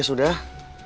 masak sendiri saja